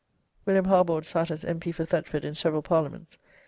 [William Harbord sat as M.P. for Thetford in several parliaments.